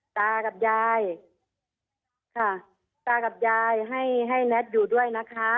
ตากับยายค่ะตากับยายให้ให้แน็ตอยู่ด้วยนะคะ